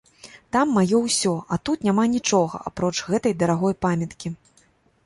Там маё ўсё, а тут няма нічога, апроч гэтай дарагой памяткі.